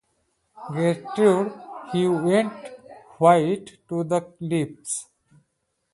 Gertrude he went white to the lips.